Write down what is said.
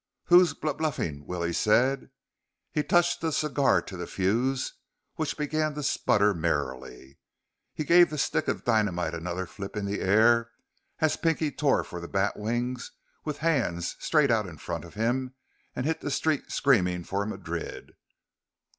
"Who's b bluffing?" Willie said. He touched the cigar to the fuse, which began to sputter merrily. He gave the stick of dynamite another flip in the air as Pinky tore for the batwings with hands straight out in front of him and hit the street screaming for Madrid.